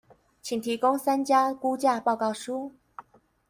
請提供三家估價報告書